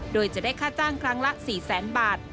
โดยจะได้ค่าจ้างครั้งละ๔แสนบาท